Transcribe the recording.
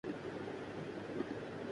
اس میں ہمارے گناہوں کا کچھ ضرور دخل ہو گا۔